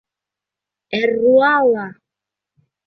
— Эр-р уа-ла!!